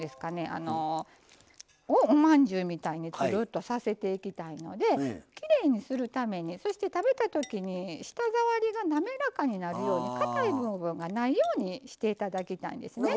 あのおまんじゅうみたいにつるっとさせていきたいのできれいにするためにそして食べた時に舌触りが滑らかになるようにかたい部分がないようにして頂きたいんですね。